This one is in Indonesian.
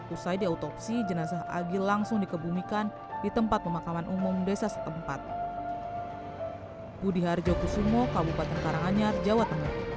usai diotopsi jenazah agil langsung dikebumikan di tempat pemakaman umum desa setempat